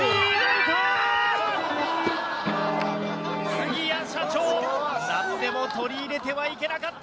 杉谷社長なんでも取り入れてはいけなかった！